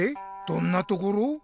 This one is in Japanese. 「どんな」ところ？